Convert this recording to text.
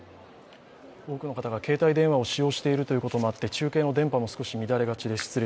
多くの方が携帯電話を使用しているということもあって中継の映像も乱れがちです。